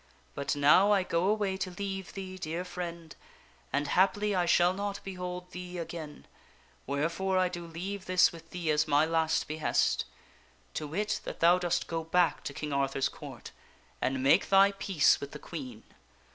But now I go away to leave thee, dear friend, and haply I shall not behold thee again, wherefore I do leave this with thee as my last behest; to wit, that thou dost go back to King Arthur's Court and make thy peace with the Queen.